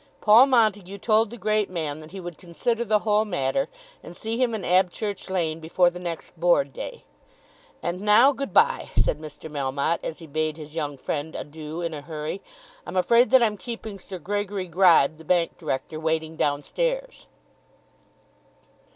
Paul Montague told the great man that he would consider the whole matter, and see him in Abchurch Lane before the next Board day. "And now, good bye," said Mr. Melmotte, as he bade his young friend adieu in a hurry. "I'm afraid that I'm keeping Sir Gregory Gribe, the Bank Director, waiting down stairs."